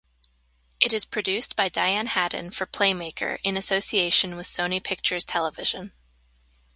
It is produced by Diane Haddon for Playmaker in association with Sony Pictures Television.